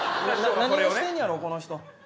何してんねやろ、この人。